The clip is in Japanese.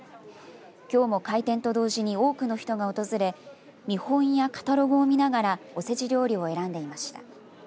きょうも開店と同時に多くの人が訪れ見本やカタログを見ながらおせち料理を選んでいました。